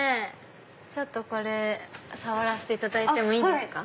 ちょっと触らせていただいてもいいですか？